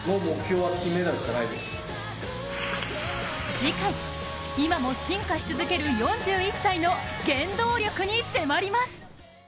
次回、今も進化し続ける４１歳の原動力に迫ります。